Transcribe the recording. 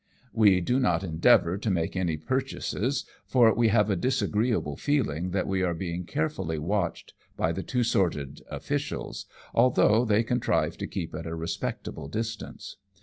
We do not endeavour to make any purchases, for we have a disagreeable feeling that we are being carefully watched by the two sworded officialsj although they contrive to keep at a respectable distance.